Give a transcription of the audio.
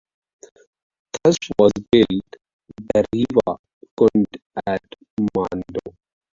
Thus was built the Rewa Kund at Mandu.